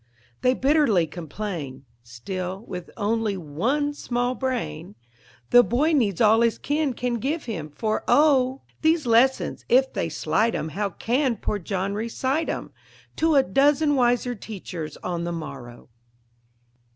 They bitterly complain; still, with only one small brain, The boy needs all his kin can give him, for oh! These lessons, if they slight 'em, how can poor John recite 'em To a dozen wiser teachers on the morrow.